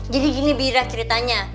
jadi begini birat ceritanya